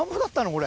これ。